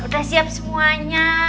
udah siap semuanya